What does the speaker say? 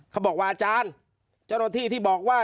เขาบอกว่าอาจารย์เจ้าหน้าที่ที่บอกว่า